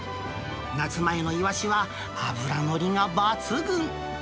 夏前のイワシは脂乗りが抜群。